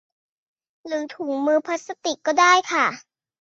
หรือถุงมือพลาสติกก็ได้ค่ะ